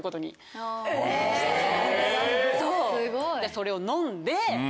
それをのんで。